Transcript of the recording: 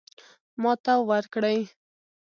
ماته ورکړي.